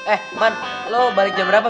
eh man lo balik jam berapa